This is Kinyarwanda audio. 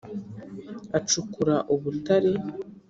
Acukura ubutare,